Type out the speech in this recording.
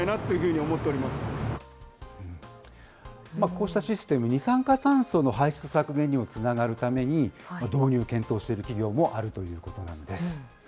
こうしたシステム、二酸化炭素の排出削減にもつながるために、導入を検討している企業もあるということなんです。